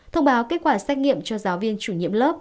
thông báo kết quả xét nghiệm cho giáo viên chủ nhiệm lớp